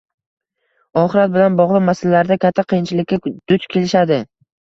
oxirat bilan bog‘liq masalalarda katta qiyinchilikka duch kelishadi.